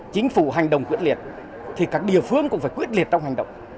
chính phủ hành động quyết liệt thì các địa phương cũng phải quyết liệt trong hành động